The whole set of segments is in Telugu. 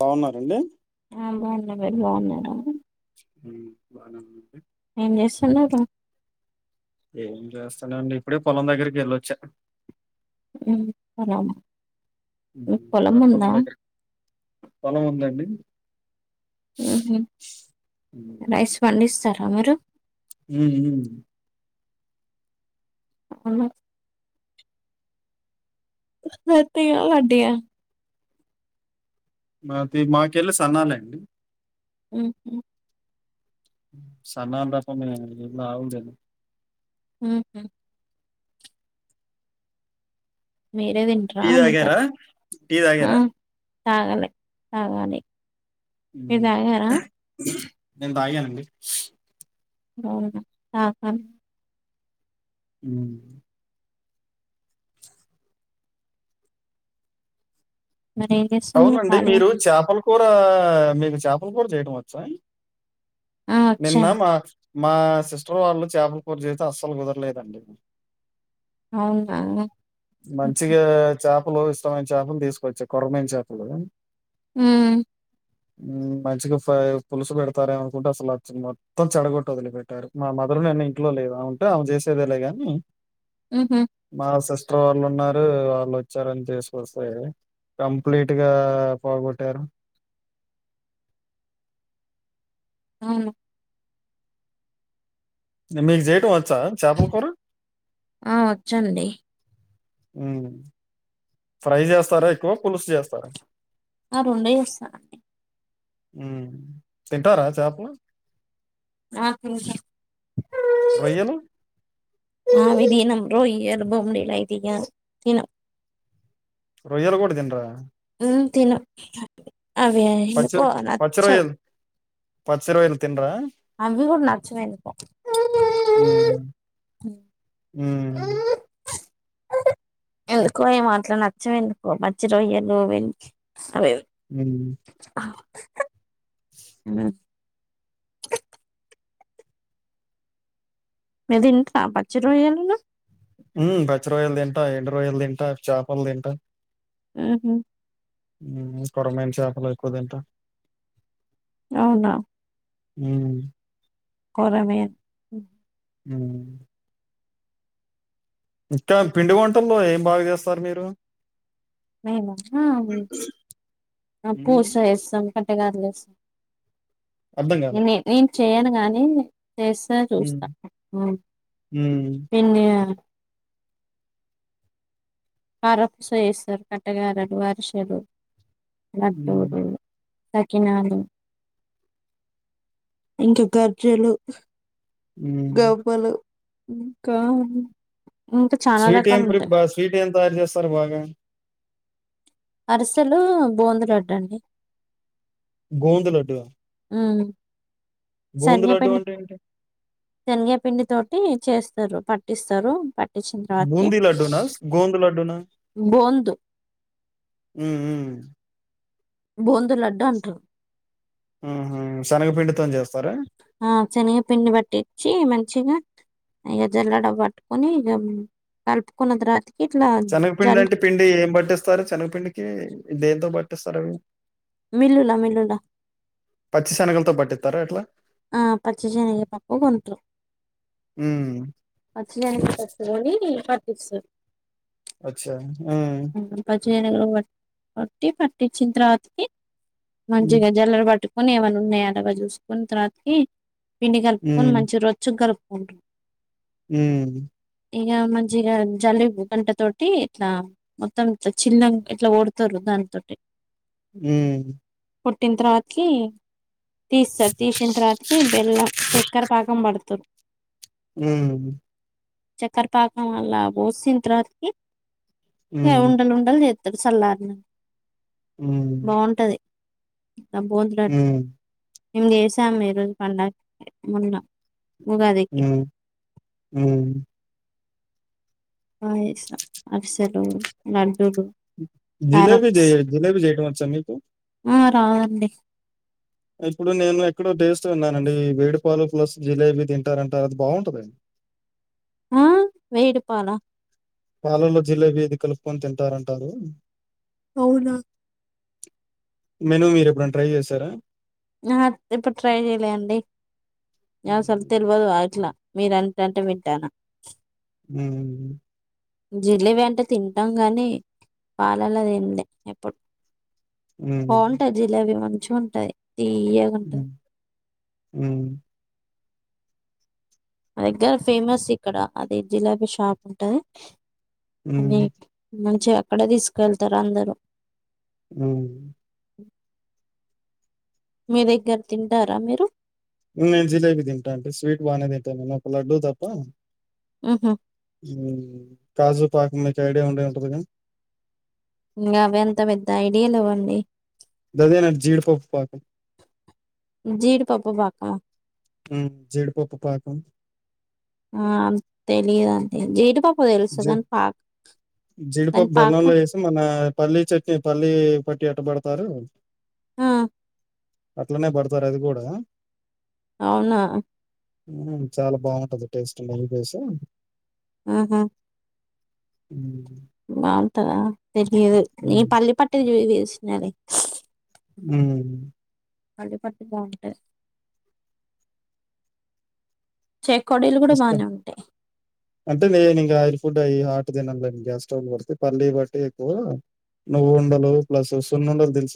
బాగున్నారండి ఆ బాగున్నా బాగున్నార బానం నువ్వే ఎం చేస్తన్నారు హలో అండి ఇప్పుడే పొలం దగ్గరికి వెళ్ళొచ్చ హ్మ్ [unintelligible] మర పొలం దగ్గర పొలం ఉందండి ఉహు రైస్ పండిస్తార్ తమిరు హ్మ్ హ్మ్ అవును రత్తయ లడయ్య మాది మాకెళ్ళ సనాలండి ఉహు సన్నా డప మే [unintelligible] ఉహు మీరే తింటారా టీ తాగర, టీ తాగర తగాలి తగాలి హ్మ్ నేన్ తగానండి అవున [unintelligible] హ్మ్ మరి ఏం చేస్తున్నారు అవునండి ఖాళీగా మీరు చేపల్ కూరా మీకు చేపలు కూర చేయటం వచ్చా ఆ నిన్న వచ్చాను మా మా సిస్టర్ వాళ్ళు చేపల కూర చేస్తే అస్సలు కుదరలేదండి. అవునా ఉహు మంచిగా చాప్ పలు ఇస్తాం చేపలు తీసుకొచ్చా కోర్రమెనూ చేపలు హ్మ్ హ్మ్ మంచిగా ఫ్రై పులుసు పెడతార్ అన్ అనుకుంటే అసలు మొత్తం చెడగొట్టి వదిలిపెట్టారు. మా మదర్ నిన్న ఇంట్లో లేదు ఆవుంటే ఆవ్ చేసేదేలే గాని, ఉహు నాశేష్ [unintelligible] వాళ్ళున్నారు వాళ్ళు వచ్చారని చేసుకొస్తాయి కంప్లీట్ గా పోగొట్టారు. అవును మీక్ జెటం వచ్ ఆ వచ్చండి ఫ్రై చేస్తారా ఎక్కువ పులుసు చేస్తారా ఆరెండే వస్తాయ్ అండి హ్మ్ తింటరా చాపలు ఆ తింటా రోయ్యలు [unintelligible] రొయ్యల్ బోమ్డిలాయ్ [unintelligible] తిన్నం రొయ్యలు కూడా తిన్నారా హ్మ్ తిన్నం [inaudible] అది పచ్చి ఎందుకో పచ్చి నచ్చదు రొయ్యలు పచ్చి రొయ్యలు తినరా అవి కూడా నచ్చవెందుకో హ్మ్. హ్మ్. ఎందుకో ఏ మాట్లా నచ్చం ఎందుకో పచ్చి రొయ్యలు వె హ్మ్. [unintelligible] [unintelligible] మీరు దింటరా పచ్చి రొయ్యాలను మ్ పచ్చి రొయ్యలు తింటా ఎండు రొయ్యలు తింటా చేపలు తింట ఊహు మ్ కొరమేను చేపలు ఎక్కువ తింటా అవునా మ్ కోరమేను మ్ ఇంకా పిండి వంటల్లో ఏం బాగా చేస్తారు మీరు మీమా మేము హ్మ్. పూస వస్తాం అట్టిగాదిలేస్త అర్థం కాలా. ఎన్ని ఈ చెయ్యను గాని తెస్తే హ్మ్. చూస్తా మ్ హ్మ్. తిన్నయార్ [unintelligible] హ్మ్. లడ్డుదో తకినాలు ఇంకా గజ్జలు హ్మ్. గవ్వలు ఇంకా ఉన్ స్వీట్ ఏం ప్రిప్ బా స్వీట్ ఏం తయార్ చేస్తారు బాగా అరిసెలూ, బూంది, లడ్డు అండి గోవింద లడ్డు ఆ ఆ సనియపిండి అంటే ఏంటి? శనిగపిండి తో టీ చేస్తరు పట్టిస్తారు బట్ బూంది లడ్డునాస్ గోవింద లడ్డు నా? బూందు హుం. హుమ్ బొందు లడ్డు అంటరు. హుహు. శనగపిండితోని చేస్తారా? అ శనగ పిండి పట్టించి మంచిగా ఇక జల్లడ పట్టుకుని, ఇక కలుపుకున్న తరువాతె, శనగపిండి అంటె పిండి యేం పట్టిస్తారు శనగపిండికి యిదే ద్. బట్టిస్తారు మిల్లుల మిల్లుల ధర యెట్ల ఆ పచ్చి శనగ పప్పు కొంట్రు, హ్మ్. పచ్చి శనగలు కొత్తకొని టీ పట్టిస్తర్- అచ్చా హామ్ చెనగలు బట్ పట్టి పట్టించిన్ తర్వాతకి హ్మ్. మంచిగ జల్లెడ బట్టు కొన్సె యేవున్న ఉన్నయ తర్వత జూసుకున్స తర్వాతకీ పిండి కలుపు కొని మంచి రొచ్చుగ కలుప్ థ్యాంక్ యూ హుం ఇగ మంచిగ జల్లెడ్ గంట తోటీ ఇట్లా మొత్తం యిట్ల చినంగ్, యిట్లా వోడతరు, దాన్ తోటి, ఊమ్ పుట్టిన్ తరవాత్ కీ? తీస్తర్ తీసిన్ తరవాత్ కి, బెల్లం, చక్కెర, పాకం బడతరు. వుమ్ చక్కర్ పాకంల బోసిన్ తరువాత్ కి ఏ హ్మ్. ఉండల్ ఉండల్ చేత్ సల్లారినంక హ్మ్. బాగుంటది న పోంతంట హ్మ్. మేం చేసాము ఈరోజు పండక్కి నిన్న ఉమ్ ఉమ్ బాద్చేసిన అరిసెలు లొడ్ జిలేబీ ద జిలేబీ చేయటం వచ్చా మీకు ఆ రాదండి ఇప్పుడు నేను ఎక్కడో టేస్ట్ విన్నానండి వేడి పాలు ప్లస్ జిలేబీ తింటారంటారు అది బాగుంటదండి ఆ మేడిపాల పాలలో జిలేబీ అది కలుపుకొని తింటారంటారు అవునా మెను మీరు ఎప్పుడైనా ట్రై చేసార ఆ ఏప్పుడు ట్రై చేయలే అండి ఆ అస్సలు హ్మ్. తెల్వదు వయిట్లా మీరంటంటే వింటనా [inaudible] జిల్లెబి అంటే తింటాం గాని పాలల తిన్లే ఎప్పుడు బావుంటా జిలెవి వన్ చ్చుంటయ్ తియ్యగుంట హ్మ్. హ్మ్. మా దగ్గర ఫేమస్ ఇక్కడ అది జిలేబీ షాప్ ఉంటది అన్ని హ్మ్. మనక్ చే అక్కడె తీసుకెళ్తరు అందరూ మ్మ్ మీ దగ్గర తింటార మీరు నేను జిలేబీ తింటాటి స్వీట్ బానే తింటాను నాకు లడ్డూ తప్ప ఉహు మ్మ్ కాజు పాకు మీకు ఐడియా ఉండె ఉంటది గా ఇంగ అవే అంత పెద్ద ఐడియాలు లెవ్వండి అదే నా జీడుపప్పు పాక జీడిపప్పు పాకమా హమ్ జీడిపప్పు పాకం ఆమ్ తెలియది జీడి పప్ జె దాని జీడిపప్పు పాక బెల్లంలో వేసి మొన్న పల్లీ చట్నీ పల్లీ పట్టి ఎట్టబడతారు ఆ అట్లనే పడతారు అది కూడ అవునా మమ్ చాలా బాగుంటది టెస్టు మల్లి పాస్ ఆ ఆహా హమ్ బాగుంటద తెలీదు నీ హ్మ్. పల్లిపట్ట జీవిదు స్నానిక్స్ మ్మ్ తల్ళ పట్టు బా ఉంటాది ఇష్ట ఉంటాయి అంటే నేను ఇంకా రయిల్ ఫుడ్ అయ హాట్ దిన గ్యాస్ స్టవ్ పడి పల్లీ బట్టి ఎక్కువ నువ్వు ఉండలు ప్లస్ సున్ను ఉండలు తెలుసు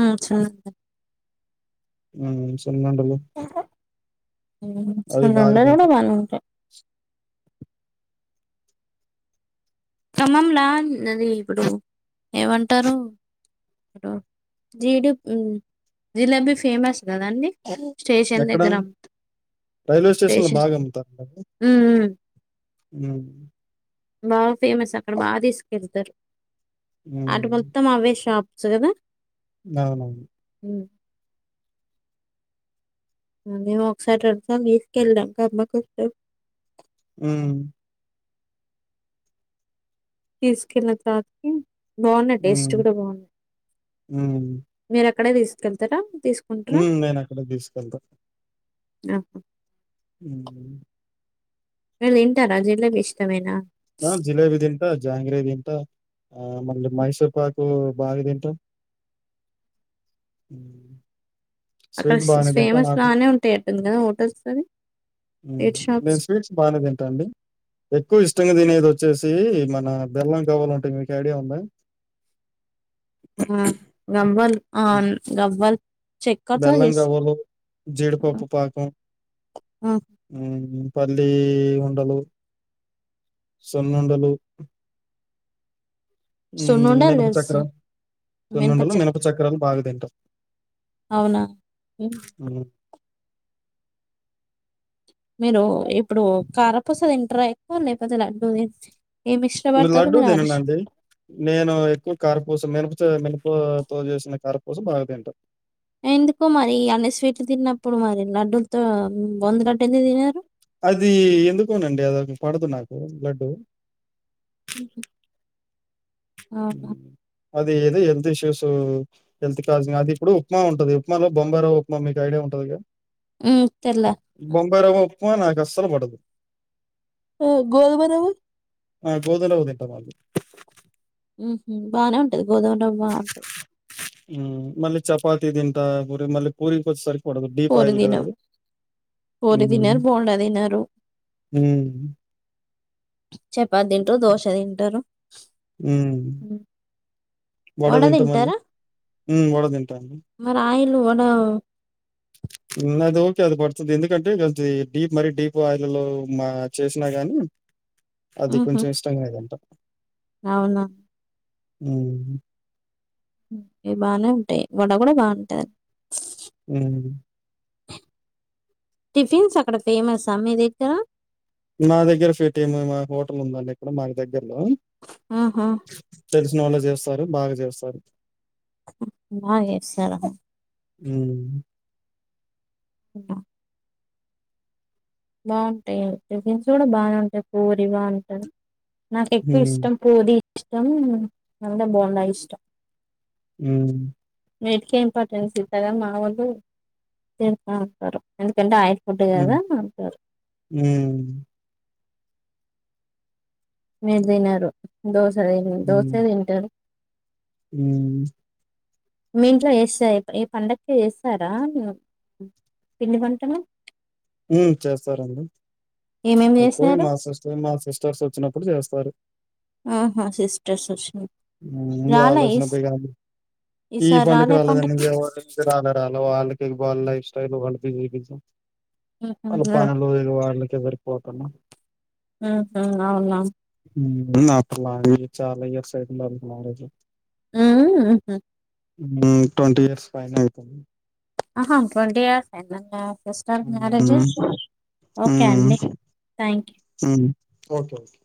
ఆ సున్నుండలు మ్మ్ సున్నుండలు అవి భాగ అ కూడా మను ఉంట ఖమ్మంలా అది ఇప్పుడు ఏమంటారు ఇడు జీడ జిలేబీ ఫేమస్ కదాండి స్టేషన్ ఎక్కడ? దగ్గర రైల్వే స్టేషన్‌లో స్టేషన్ మ్మ్ హ్మ్ మ్మ్ బాగా ఫేమస్ అక్కడ బాగా తీసుకెళ్తారు అటు హ్మ్. మొత్తం అవేషాప్ సు గదా అవునవును మ్మ్ అండి ఒకసారి రెండుసార్లు తీస్కెలం కాస్త [unintelligible] మ్మ్ తీసుకెళ్ల పాపకి బాగున్నాయి హ్మ్. టేస్ట్ కూడా బాగున్నాయి మీరక్ క్కడ తీసుకెలతారా మ్మ్ నేను అక్కడే తీసుకెళ్తా ఆహా మ్మ్ మీరు తింటారా జిలేబి ఇష్టమేనా ఆ జిలేబీ తింటా జాంగరీ తింటా ఆ మళ్ళీ మైసూర్ పాకు బాగా తింటా అక్కడ స్వీట్ స్ బాగానే తింటా ఫేమస్ నాకు లానే ఉంటాయి అట్టుంది కదా హోటల్స్ అవి మ్మ్ స్వీట్ షాప్స్ నేన్ స్వీట్స్ బాగానే తింటా అండి ఎక్కువ ఇష్టంగా దీని ఏది వచ్ వచ్చేసి మన బెల్లం కావాల ఉంటాయి మీకు ఐడియా ఉందా ఆ గమ్బ ఆవు గవ్వల్ బేల్లంగవ్వలు జీడిపప్పు పాక ఆ, ఆ పల్లి ఉండలు సున్నుండలు మ్మ్ సున్నుండలు మినప చక్ర తెలుసు సున్నుండలు మినప చక్రాలు బాగాతింటా అవునా హమ్ హ్మ్. మీరు ఇప్పుడు కారపూస తింట్రా ఎక్కువ లేకపోతే లడ్డూ తిన్ ఏమి ఇష్టపడతారు లడ్డూ మీరు అరిష్ తిననండి నేను ఎక్కువ కారుపూస మనుప మీన తో చేసిన కారపూస బాగా తింటా ఎందుకో మరి అన్ని స్వీట్లు తిన్నప్పుడు మరి లడ్డులతో బొంది లడ్డు ఎందుకు తినరు అది ఎందుకోనండి అధీ పడదు నాకు లడ్డుూ హమ్ అవనా హ్మ్. అది ఏది హెల్త్ ఇష్యూస్ హెల్త్ కాస్ అది ఇప్పుడు ఉప్మా ఉంటుంది ఉప్మాలో బొంబైరవ్వ ఉప్మా మీకు ఐడియా ఉంటదిగ హ తెల బొంబాయి రవ్వ ఉప్పు నాకు ఆసలు పడదు ఓ గోధుమ రవ్వ ఆ గోధుమ రవ్వ తింట మళ్లీ ఉహు బాగానే ఉంటది గోదుమరవ్వ ఉ మళ్ళీ చపాతి తింటా పురి మళ్ళీ పూరి కొచ్చ సరి పడదు డీప్ పూరి ఆయిల్ కద తినరు. పూరి ఉమ్ తినరు, బోండా తినరు, ఉమ్ చపాతి తింటారు దోశ తింటారు ఉమ్ వడ వడ తింటా వడ తింటా మళ్ళి మరి ఆయిల్ వడ ఉ ఇంక దో అది పడుతుంది ఎందుకంటే కొది డీప్ మరీ డీప్ ఆయిల్ లో మా చేసినా గాని అది హుహు. కొంచెం ఇష్టంగాదింట అవునా ఉమ్ ఉ ఇవి బానే ఉంటాయి వడ కూడా బాగుంటది ఉమ్ టిఫిన్స్ అక్కడ ఫేమస్ హ మీ దగ్గర నా దగ్గర ఫీటీఎం మా హోటల్ ఉందండి ఇక్కడ మా దగ్గర హలో ఆహా! తెలిసిన వాళ్ళే చేస్తారు బాగా చేస్తారు హ బా చేస్తారా ఉమ్ ఉ ఆ బాగుంటాయి టిఫిన్స్ కూడా బాగానే ఉంటాయి పూరి బాగుంటాయి నాక ఎక్కువ హ్మ్. ఇష్టం పూరి ఇష్టం నందా బోండా ఇష్టం హ్మ్ వేటికే ఇంపార్టెన్స్ ఇత్తరా మా వాళ్ళు తెస్తా ఉంటారు ఎందుకంటే ఆ హ్మ్. ఉంటుకదా హ్మ్ విల్ తినారు దోస్ సరే నేన్ దోసే హ్మ్. తింటాను హ్మ్ మీ ఇంట్లో ఏస ఏ పండగ ఏస్తారా పిండి వంటలు హ్మ్ చేస్తారండి ఏమేమి చేశారు ఎక్కువమా సిస్టర్ మా సిస్టర్స్ వచ్చినప్పుడు చేస్తారు ప్ప [unintelligible] ఆహా సిస్టర్స్ వచ్చినప్పు వల్లోచినపుడు కాదు ఈ ఈసారి పండుగ రాలే రాలేదని పండక్కి రాలే రాలా వాళ్ వాళ్ళ లైఫ్ స్టైల్లు వాళ్ళతో చేపిస్తా వాళ్ళ పనులు ఇగ వాళ్ళకే సరిపోతున్నా అవునా హ్మ్ నాకు అడవి చాలా ఇస్ రేప్ ఉందా మిక్ కాలేజ్ ఆ హ హ ట్వంటీ ఇయర్స్ పైన అయితుంది ఆహా ట్వంటి ఇయర్స్ వెళ్ళంగా జస్టర్ మ్యారేజ్ ఉమ్ ఓకే అండి థ్యాంక్ యూ. హ్మ్ ఓకేే ఒకే